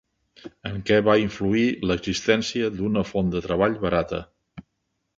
En què va influir l'existència d'una font de treball barata?